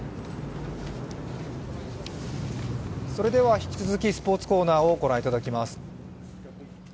引き続きスポーツコーナーをご覧いただきます。